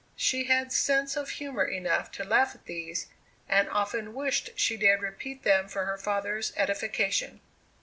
She had sense of humour enough to laugh at these, and often wished she dared repeat them for her father's edification.